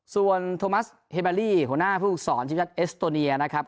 ส่วนโทมัสเฮเบลี่หัวหน้าผู้ฝึกสอนทีมชาติเอสโตเนียนะครับ